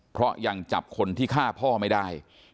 เพราะยังจับคนที่ฆ่าพ่อไม่ได้